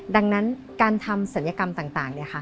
ดังนั้นการทำศัลยกรรมต่าง